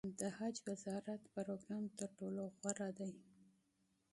د حج وزارت پروګرام تر ټولو معقول دی.